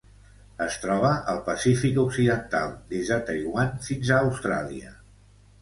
Es troba al Pacífic occidental: des de Taiwan fins a Austràlia.